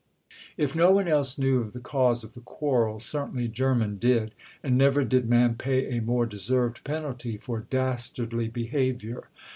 If no one else knew of the cause of the quarrel, certainly Jermyn did; and never did man pay a more deserved penalty for dastardly behaviour.